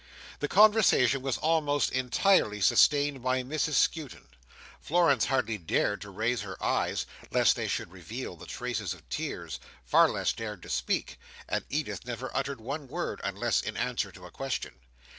The conversation was almost entirely sustained by Mrs Skewton. Florence hardly dared to raise her eyes, lest they should reveal the traces of tears; far less dared to speak; and Edith never uttered one word, unless in answer to a question.